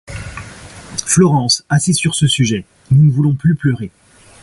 Florence, assez sur ce sujet ; nous ne voulons plus pleurer.